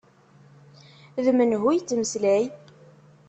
D menhu yettmeslay?